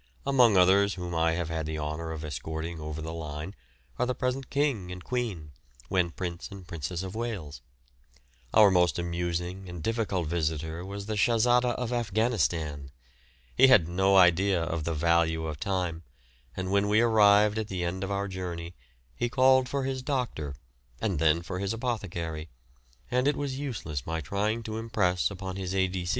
Among others whom I have had the honour of escorting over the line are the present King and Queen when Prince and Princess of Wales. Our most amusing and difficult visitor was the Shahzada of Afghanistan. He had no idea of the value of time, and when we arrived at the end of our journey he called for his doctor and then for his apothecary, and it was useless my trying to impress upon his A.